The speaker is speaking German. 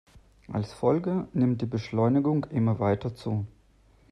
Als Folge nimmt die Beschleunigung immer weiter zu.